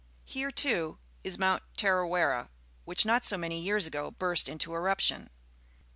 Here, too, is Mount Tarairera, which not so many years agoBiTrstrTnto eruption.